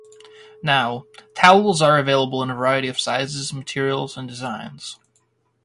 Now, towels are available in a variety of sizes, materials and designs.